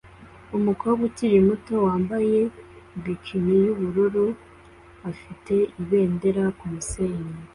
Umukobwa ukiri muto wambaye bikini yubururu afite ibendera kumusenyi